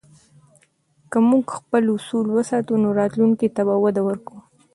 که موږ خپل اصول وساتو، نو راتلونکي ته به وده ورکوو.